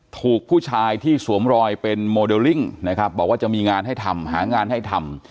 ถูกผู้ชายที่สวมรอยเป็นโมเดลลิ่งนะครับบอกว่าจะมีงานให้ทำหางานให้ทำ